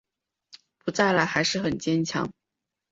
不在了还是很坚强